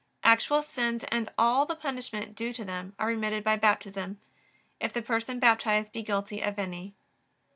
Actual sins and all the punishment due to them are remitted by Baptism, if the person baptized be guilty of any.